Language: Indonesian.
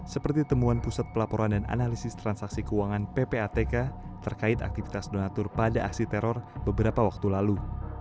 seperti temuan pusat pelaporan dan analisis transaksi keuangan ppatk terkait aktivitas donatur pada aksi teror beberapa waktu lalu